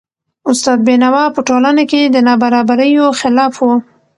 استاد بینوا په ټولنه کي د نابرابریو خلاف و .